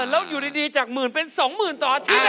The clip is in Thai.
แล้วอยู่ดีจากหมื่นเป็น๒๐๐๐ต่ออาทิตย์